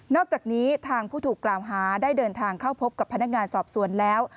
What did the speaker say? อกจากนี้ทางผู้ถูกกล่าวหาได้เดินทางเข้าพบกับพนักงานสอบสวนแล้ว